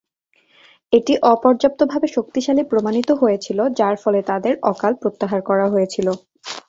এটি অপর্যাপ্তভাবে শক্তিশালী প্রমাণিত হয়েছিল, যার ফলে তাদের অকাল প্রত্যাহার করা হয়েছিল।